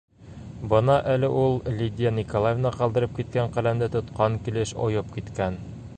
Бына әле ул Лидия Николаевна ҡалдырып киткән ҡәләмде тотҡан килеш ойоп киткән...